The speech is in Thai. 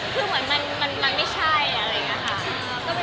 คือเหมือนมันไม่ใช่